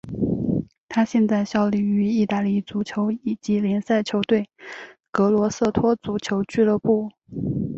他现在效力于意大利足球乙级联赛球队格罗瑟托足球俱乐部。